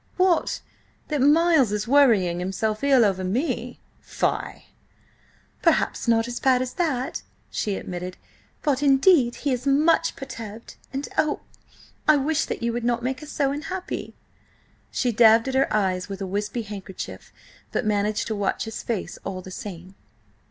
"What! That Miles is worrying himself ill over me? Fie!" "Perhaps not as bad as that," she admitted. "But, indeed, he is much perturbed. ... and, oh! I wish that you would not make us so unhappy." She dabbed at her eyes with a wispy handkerchief, but managed to watch his face all the same.